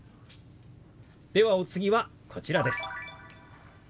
ではお次はこちらです。